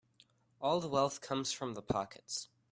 All the wealth comes from the pockets.